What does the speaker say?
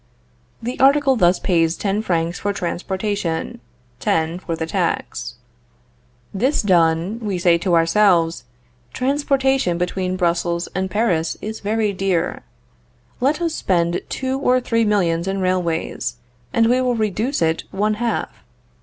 The article thus pays ten francs for transportation, ten for the tax. This done, we say to ourselves: Transportation between Brussels and Paris is very dear; let us spend two or three millions in railways, and we will reduce it one half.